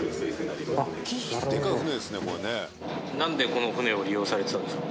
何でこの船を利用されてたんですか？